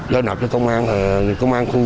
do nạp cho công an thì công an khu